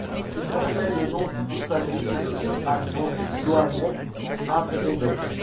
Il portait le nom du botaniste allemand Johannes Abromeit.